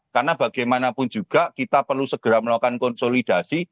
karena bagaimanapun juga kita perlu segera melakukan konsolidasi